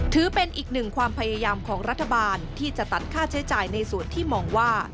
ถือเป็นอีกหนึ่งความพยายามของรัฐบาลที่จะตัดค่าใช้จ่ายในส่วนที่มองว่า